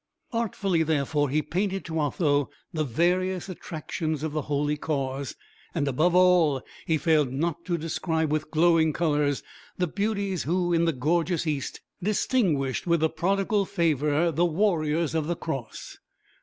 Artfully therefore he painted to Otho the various attractions of the Holy Cause; and, above all, he failed not to describe, with glowing colours, the beauties who, in the gorgeous East, distinguished with a prodigal favour the warriors of the Cross.